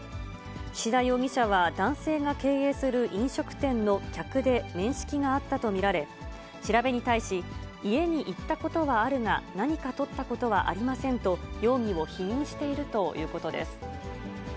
岸田容疑者は、男性が経営する飲食店の客で、面識があったと見られ、調べに対し、家に行ったことはあるが、何かとったことはありませんと、容疑を否認しているということです。